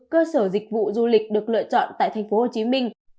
cơ sở dịch vụ du lịch được lựa chọn tại tp hcm